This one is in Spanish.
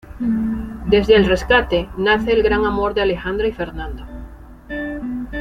Desde el rescate, nace el gran amor de Alejandra y Fernando.